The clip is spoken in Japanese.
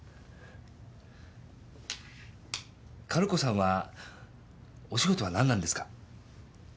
薫子さんは「お仕事」は何なんですか？